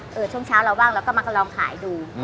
ยินช้าวเราว่างแล้วก็มากำลังขายดู